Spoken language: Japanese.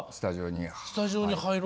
スタジオに入る。